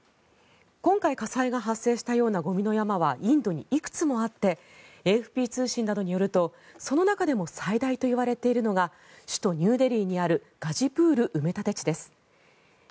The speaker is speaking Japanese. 今回、火災が発生したようなゴミの山はインドにいくつもあってＡＦＰ通信などによるとその中でも最大といわれているのが首都ニューデリーにあるガジプール埋め立て地です。